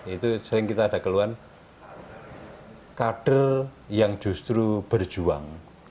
itu sering kita ada keluhan kader yang justru berjuang